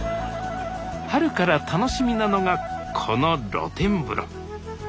春から楽しみなのがこの露天風呂。